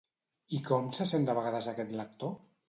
I com se sent de vegades aquest lector?